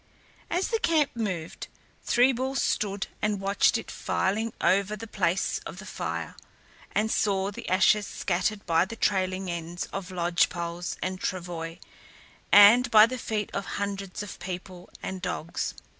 As the camp moved, Three Bulls stood and watched it filing over the place of the fire, and saw the ashes scattered by the trailing ends of lodge poles and travois, and by the feet of hundreds of people and dogs.